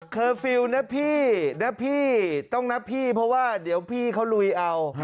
ฟิลล์นะพี่นะพี่ต้องนับพี่เพราะว่าเดี๋ยวพี่เขาลุยเอา